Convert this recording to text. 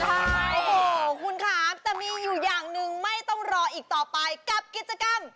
โอ้โหคุณคะแต่มีอยู่อย่างหนึ่งไม่ต้องรออีกต่อไปกับกิจกรรม